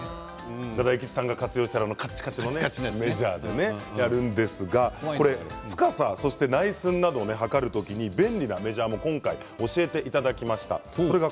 大吉さんが活用しているかちかちのメジャーなやつであるんですが深さ、そして内寸などを測る時に便利なメジャーも今回教えていただきました。